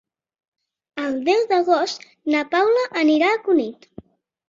El deu d'agost na Paula anirà a Cunit.